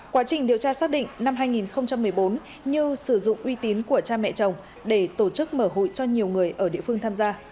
quá trình điều tra xác định năm hai nghìn một mươi bốn như sử dụng uy tín của cha mẹ chồng để tổ chức mở hội cho nhiều người ở địa phương tham gia